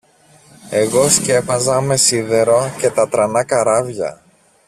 εγώ σκέπαζα με σίδερο και τα τρανά καράβια